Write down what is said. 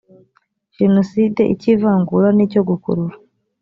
jenoside icy ivangura n icyo gukurura